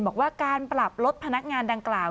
บอกว่าการปรับลดพนักงานดังกล่าว